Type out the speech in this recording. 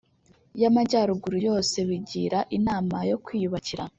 y’Amajyaruguru yose. Bigira inama yo kwiyubakira